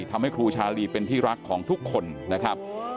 ทำให้ครูชาลีเป็นที่รักของทุกคนนะครับ